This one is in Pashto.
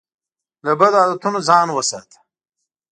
له بدو عادتونو ځان وساته.